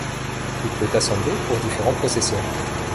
Il peut assembler pour différents processeurs.